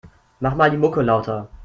Mach mal die Mucke lauter.